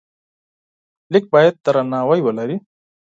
لیک باید درناوی ولري.